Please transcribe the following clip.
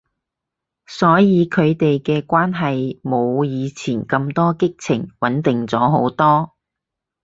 所以佢哋嘅關係冇以前咁多激情，穩定咗好多